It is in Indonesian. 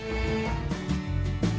masjid istiqlal di jakarta pusat